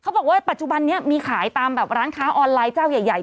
ปัจจุบันนี้มีขายตามแบบร้านค้าออนไลน์เจ้าใหญ่